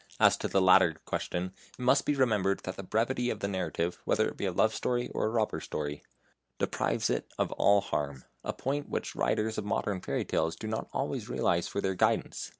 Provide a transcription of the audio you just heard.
As to the latter question, it must be remembered that the brevity of the narrative whether it be a love story or a robber story deprives it of all harm; a point which writers of modern fairy tales do not always realize for their guidance.